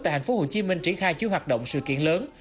tại tp hcm triển khai chứa hoạt động sự kiện lớn